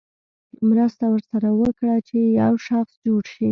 مرسته ورسره وکړه چې یو ښه شخص جوړ شي.